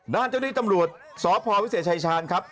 เจ้าหน้าที่ตำรวจสพวิเศษชายชาญครับ